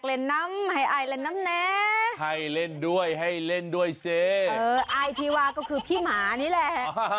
เอออายทีวาก็คือพี่หมานี่แหละ